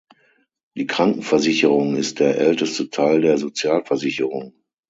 Die Krankenversicherung ist der älteste Teil der Sozialversicherung.